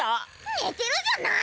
寝てるじゃない！